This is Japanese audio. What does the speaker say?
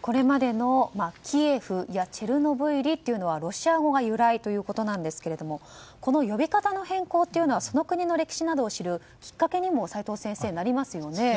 これまでの、キエフやチェルノブイリというのはロシア語が由来ということなんですがこの呼び方の変更はその国の歴史などを知るきっかけにも齋藤先生、なりますよね。